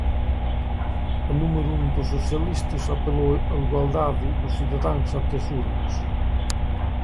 A número un dos socialistas apelou a igualdade dos cidadáns ante as urnas.